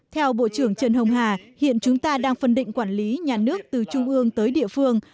theo bộ trưởng trần hồng hà hiện chúng ta đang phân định quản lý nhà nước từ trung ương tới địa phương